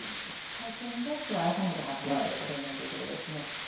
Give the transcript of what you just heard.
会見できょう改めて発表することになるということですね。